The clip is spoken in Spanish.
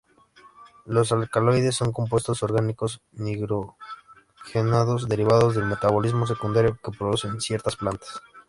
Los alcaloides son compuestos orgánicos nitrogenados, derivados del metabolismo secundario, que producen ciertas plantas.